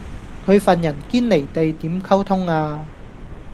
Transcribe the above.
佢份人堅離地點溝通呀